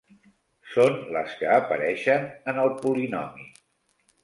Són les que apareixen en el polinomi.